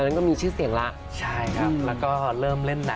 คุณผู้ชมไม่เจนเลยค่ะถ้าลูกคุณออกมาได้มั้ยคะ